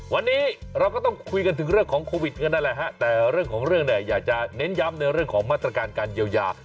วันนี้เราก็ต้องคุยกันถึงเรื่องของโควิดกันนั่นแหละฮะแต่เรื่องของเรื่องเนี่ยอยากจะเน้นย้ำในเรื่องของมาตรการการเยียวยา